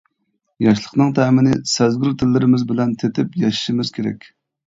ياشلىقنىڭ تەمىنى سەزگۈر تىللىرىمىز بىلەن تېتىپ ياشىشىمىز كېرەك.